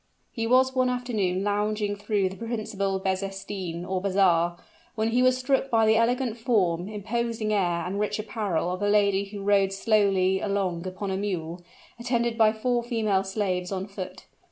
He was one afternoon lounging through the principal bezestein or bazaar, when he was struck by the elegant form, imposing air, and rich apparel of a lady who rode slowly along upon a mule, attended by four female slaves on foot.